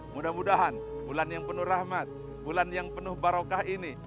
mudah mudahan bulan yang penuh rahmat bulan yang penuh barokah ini